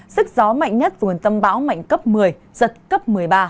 sức gió mạnh nhất vườn tâm bão mạnh cấp một mươi giật cấp một mươi ba